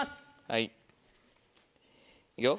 はいいくよ。